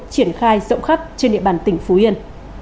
triển khai rộng khắp trên địa bàn tỉnh phú yên